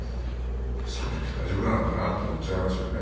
サミット大丈夫なのかなと思っちゃいますよね